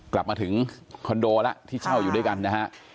กลับมาถึงคอนโดแล้วที่เช่าอยู่ด้วยกันนะฮะ